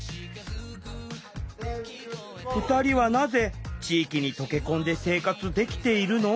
２人はなぜ地域に溶け込んで生活できているの？